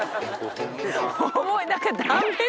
重い何か。